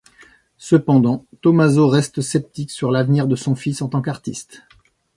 Cependant, Tommaso reste sceptique sur l'avenir de son fils en tant qu'artiste.